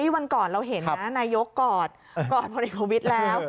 วันก่อนเราเห็นนะนายกกอดกอดพลเอกประวิทย์แล้ว